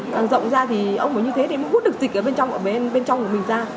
càng rộng ra thì ông mới như thế để hút được dịch ở bên trong của mình ra